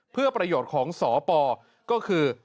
เพื่อประโยชน์ของสปก็คือ